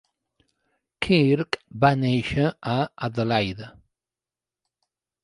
Kirk va néixer a Adelaida.